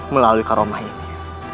melalui karamah ini